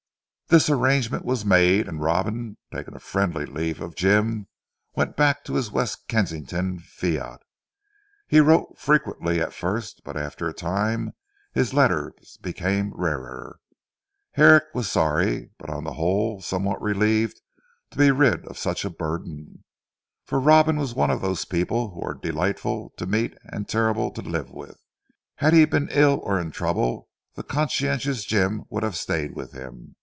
This arrangement was made, and Robin, taking a friendly leave of Jim went back to his West Kensington fiat. He wrote frequently at first, but after a time his letters became rarer. Herrick was sorry, but on the whole somewhat relieved to be rid of such a burden. For Robin was one of those people who are delightful to meet and terrible to live with. Had he been ill or in trouble the conscientious Jim would have stayed with him.